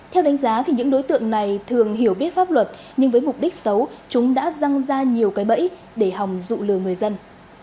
theo đánh giá thì những đối tượng này thường hiểu biết pháp luật nhưng với mục đích xấu chúng đã răng ra nhiều cái bẫy để hòng dụ lừa người dân